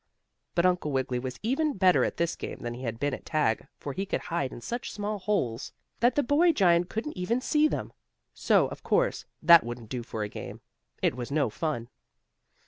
But Uncle Wiggily was even better at this game than he had been at tag, for he could hide in such small holes that the boy giant couldn't even see them, so of course that wouldn't do for a game. It was no fun.